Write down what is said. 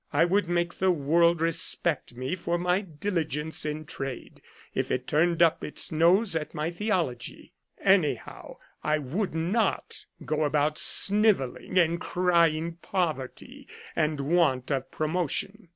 I would make the world respect me for my diligence in trade, if it turned up its nose at my theology. Anyhow, I would not go about snivelling and crying poverty and want of promotion.'